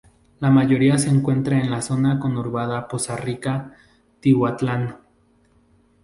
La mayoría se encuentran en la zona conurbada Poza Rica-Tihuatlan.